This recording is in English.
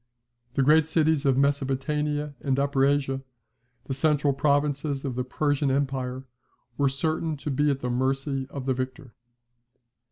The great cities of Mesopotamia and Upper Asia, the central provinces of the Persian empire, were certain to be at the mercy of the victor.